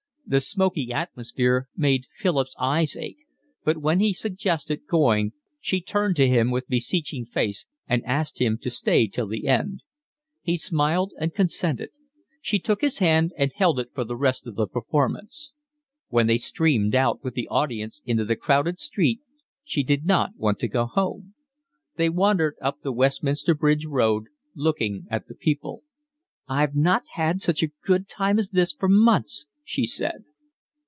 The smoky atmosphere made Philip's eyes ache, but when he suggested going she turned to him with beseeching face and asked him to stay till the end. He smiled and consented. She took his hand and held it for the rest of the performance. When they streamed out with the audience into the crowded street she did not want to go home; they wandered up the Westminster Bridge Road, looking at the people. "I've not had such a good time as this for months," she said.